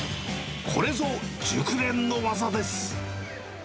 これぞ、熟練の技です。